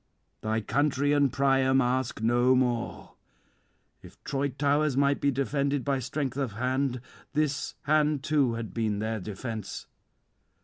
Thy country and Priam ask no more. If Troy towers might be defended by strength of hand, this hand too had been their defence.